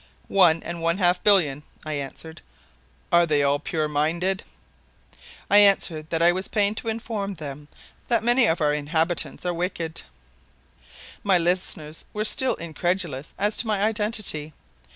"One and one half billion," I answered. "Are they all pure minded?" I answered that I was pained to inform them that many of our inhabitants are wicked. My listeners were still incredulous as to my identity.